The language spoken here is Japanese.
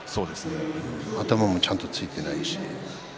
頭もちゃんとついていないし。